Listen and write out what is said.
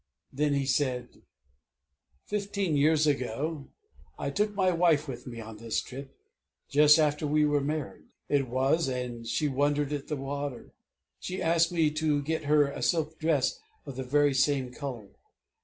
Then he said: "Fifteen years ago I took my wife with me on this trip just after we were married, it was; and she wondered at the water. She asked me to get her a silk dress of the very same color.